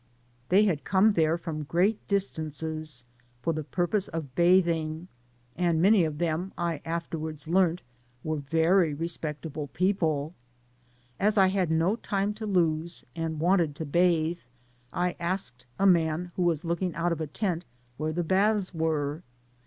They had come there from great distances for the purpose of bathing, and many q£ them I afterwards learnt were very re ^ Electable pecq^e. As I had no time to Ipse, and wanted to bathe, I asked a man who was looking out (^ a tent, where the baths were?